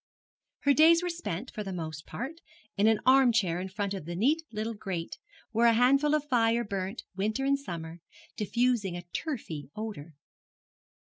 Her days were spent, for the most part, in an arm chair in front of the neat little grate, where a handful of fire burnt, winter and summer, diffusing a turfy odour.